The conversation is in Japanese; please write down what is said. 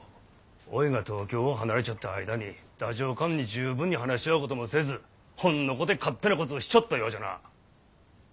おいが東京を離れちょった間に太政官に十分に話し合うこともせずほんのこて勝手なこつをしちょったようじゃな。